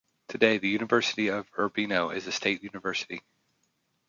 Today, the University of Urbino is a state University.